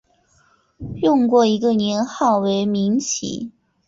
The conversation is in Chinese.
用过一个年号为明启。